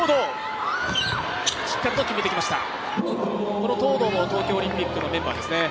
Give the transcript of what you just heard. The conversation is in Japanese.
この東藤も東京オリンピックのメンバーですね。